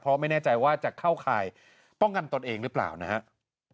เพราะไม่แน่ใจว่าจะเข้าข่ายป้องกันตนเองหรือเปล่านะครับ